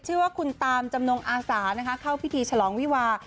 ชื่อว่าคุณตามจำนงอาสานะคะเข้าพิธีฉลองวิวา